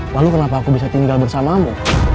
lalu kenapa aku bisa tinggal bersamamu